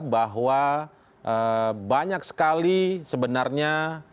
bahwa banyak sekali sebenarnya